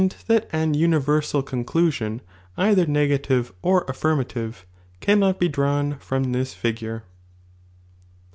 tjmt ^f^ universal conclusion either negative or af flrmatiTe, cannot be drawn from this figure.'